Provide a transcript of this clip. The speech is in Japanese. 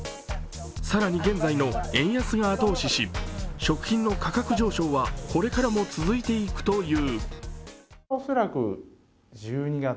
更に現在の円安が後押しし、食品の価格上昇はこれからも続いていくという。